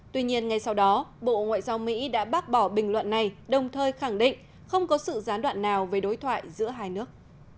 tuy nhiên ngay sau đó bộ ngoại giao mỹ đã bác bỏ bình luận này đồng thời khẳng định không có sự gián đoạn nào về đối thoại giữa hai nước